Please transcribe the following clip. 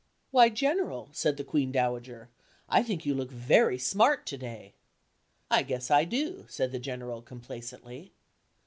"Why, General," said the Queen Dowager, "I think you look very smart to day." "I guess I do," said the General complacently.